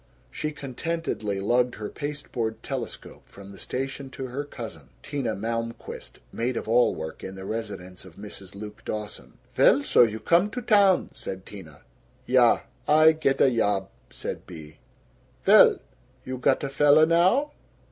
She contentedly lugged her pasteboard telescope from the station to her cousin, Tina Malmquist, maid of all work in the residence of Mrs. Luke Dawson. "Vell, so you come to town," said Tina. "Ya. Ay get a yob," said Bea. "Vell. ... You got a fella now?"